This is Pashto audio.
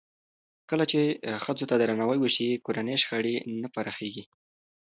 کله چې ښځو ته درناوی وشي، کورني شخړې نه پراخېږي.